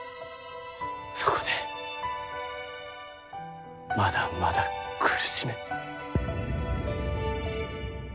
そこでまだまだ苦しめ。